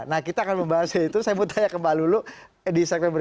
nah kita akan membahasnya itu saya mau tanya ke mbak lulu di segmen berikutnya